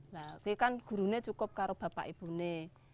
nah ini kan guru cukup kalau bapak ibunya